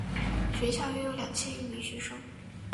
学校约有两千余名学生。